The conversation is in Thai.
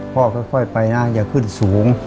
พ่อก็ค่อยไปนั่งอย่าขึ้นสูง